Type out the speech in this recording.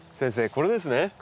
これです。